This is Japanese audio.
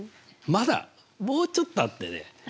まだもうちょっとあってね